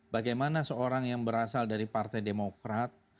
bagaimana seorang yang berasal dari partai demokrat